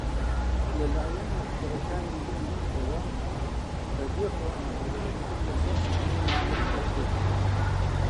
لە لایەن ئەکتەرەکانی گرووپەوە بەبێ خۆئامادەکردن لەسەر شانۆ نمایش دەکرێن